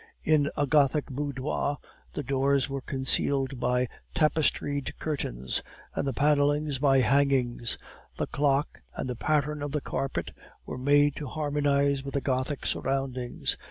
In a gothic boudoir the doors were concealed by tapestried curtains, and the paneling by hangings; the clock and the pattern of the carpet were made to harmonize with the gothic surroundings.